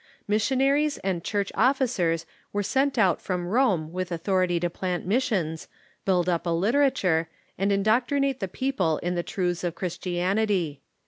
Missionaries and Church officers were sent out from Rome with authority to plant missions, build up a literature, and indoctrinate the people in the truths of Christianity.